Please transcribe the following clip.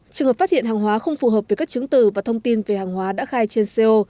trường hợp phát hiện hàng hóa không phù hợp với các chứng từ và thông tin về hàng hóa đã khai trên co